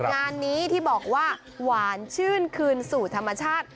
งานนี้ที่บอกว่าหวานชื่นคืนสู่ธรรมชาติ